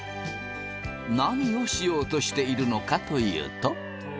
何をしようとしているのかというと。